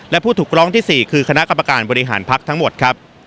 และผู้ถูกร้องที่๔คือคณะกรรมการบริหารพักทั้งหมดครับ